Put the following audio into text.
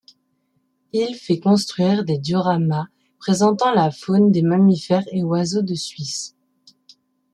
Il fait construire des dioramas présentant la faune des mammifères et oiseaux de Suisse.